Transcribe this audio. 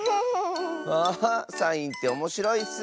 あサインっておもしろいッス。